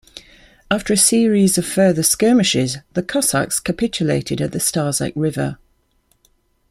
After a series of further skirmishes the Cossacks capitulated at the Starzec river.